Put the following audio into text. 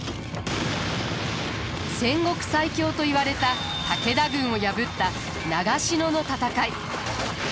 戦国最強といわれた武田軍を破った長篠の戦い。